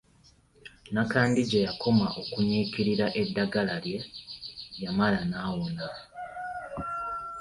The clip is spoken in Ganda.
Nakandi gye yakoma okunyiikirira eddagala lye, yamala n'awona.